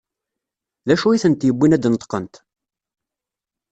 D acu i tent-yewwin ad d-neṭqent?